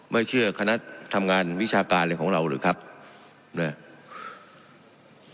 ไม่เชื่อคณะทำงานวิชาการอะไรของเราหรือครับนะ